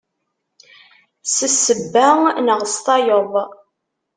S ssebba neɣ s tayeḍ.